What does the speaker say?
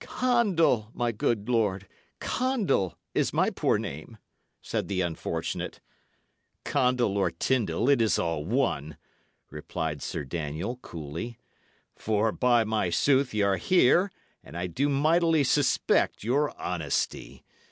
'" "Condall, my good lord; Condall is my poor name," said the unfortunate. "Condall or Tyndal, it is all one," replied Sir Daniel, coolly. "For, by my sooth, y' are here and I do mightily suspect your honesty.